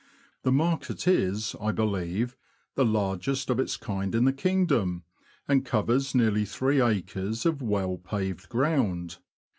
NORWICH TO YARMOUTH. 101 The market is, I believe, the largest of its kind in the kingdom, and covers nearly three acres of well paved ground.